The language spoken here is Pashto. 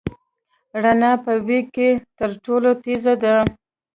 رڼا په وېګ کي تر ټولو تېزه ده.